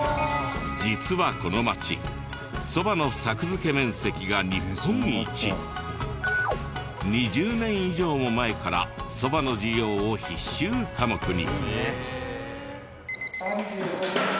実はこの町２０年以上も前からそばの授業を必修科目に。